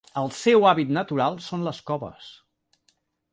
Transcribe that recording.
El seu hàbitat natural són les coves.